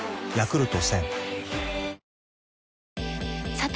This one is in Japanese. さて！